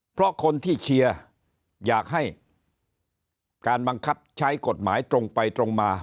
เพราะคนที่เชียร์อยากให้การบังคับใช้กฎหมายตรงไปตรงมา